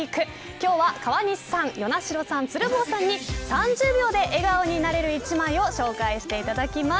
今日は川西さん、鶴房さん與那城さんに３０秒で笑顔になれる１枚を紹介していただきます。